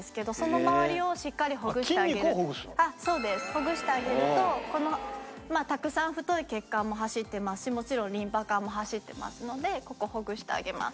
ほぐしてあげるとこのたくさん太い血管も走ってますしもちろんリンパ管も走ってますのでここほぐしてあげます。